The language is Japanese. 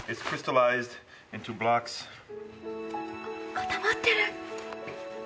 固まってる！